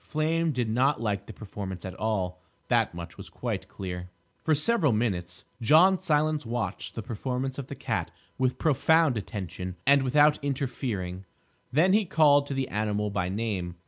Flame did not like the performance at all: that much was quite clear. For several minutes John Silence watched the performance of the cat with profound attention and without interfering. Then he called to the animal by name.